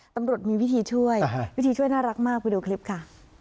ตำรวจมีวิธีช่วยวิธีช่วยน่ารักมากไปดูคลิปค่ะ